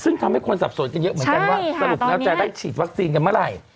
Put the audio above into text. ซึ่งทำให้คนสับสนกันเยอะเหมือนกันว่าสรุปแล้วจะได้ฉีดวัคซีนกันเมื่อไหร่